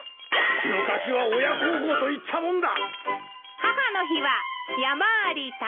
昔は親孝行と言ったもんだ！